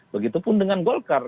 begitupun dengan golkar